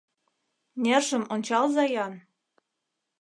Нержым ончалза-ян!